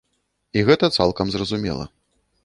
І гэта цалкам зразумела.